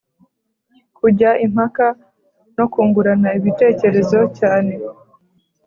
kujya impaka no kungurana ibitekerezo cyane